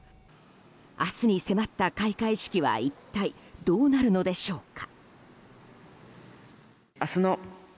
明日に迫った開会式は一体どうなるのでしょうか。